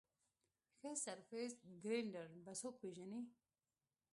ښه سرفېس ګرېنډر به څوک پېژني ؟